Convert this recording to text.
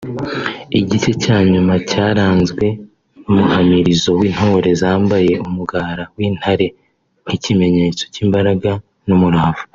Igice cya nyuma cyaranzwe n’umuhamirizo w’Intore zambaye umugara w’intare nk’ikimenyetso cy’imbaraga n’umurava